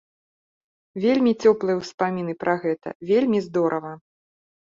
Вельмі цёплыя ўспаміны пра гэта, вельмі здорава!